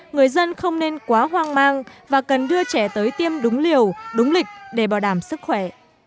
người dân không nên quá hoang mang và cần đưa trẻ tới tiêm đúng liều đúng lịch để bảo đảm sức khỏe